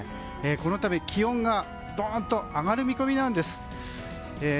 このため気温がドーンと上がる見込みなんです。